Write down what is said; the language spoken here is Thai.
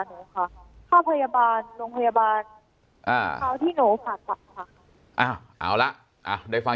หนูค่ะค่าพยาบาลโรงพยาบาลอ่าคราวที่หนูผ่าตัดค่ะเอาละได้ฟัง